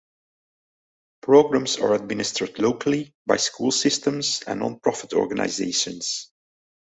Programs are administered locally by school systems and non-profit organizations.